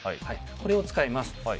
これを使います。